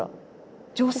女性？